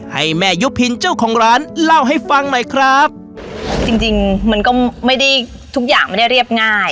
ให้แม่ยุพินเจ้าของร้านเล่าให้ฟังหน่อยครับจริงจริงมันก็ไม่ได้ทุกอย่างไม่ได้เรียบง่าย